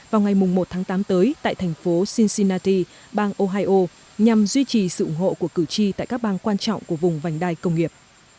vào ngày một tháng tám tới tại thành phố cincinnati bang ohio nhằm duy trì sự ủng hộ của cử tri tại các bang quan trọng của vùng vành đai công nghiệp